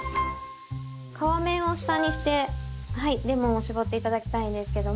皮面を下にしてレモンを搾って頂きたいんですけども。